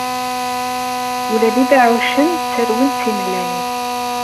Ula d ibeɛɛucen ttarwen timellalin.